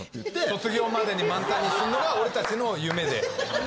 卒業までに満タンにすんのが俺たちの夢で。